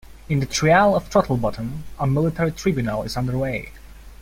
In the "Trial of Throttlebottom" a military tribunal is underway.